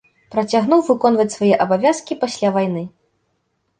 Працягнуў выконваць свае абавязкі пасля вайны.